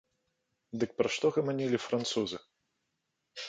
Дык пра што гаманілі французы?